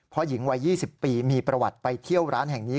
หญิงวัย๒๐ปีมีประวัติไปเที่ยวร้านแห่งนี้